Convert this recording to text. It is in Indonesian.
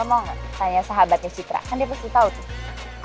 lo mau gak tanya sahabatnya citra kan dia pasti tau tuh